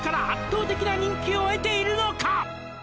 「圧倒的な人気を得ているのか」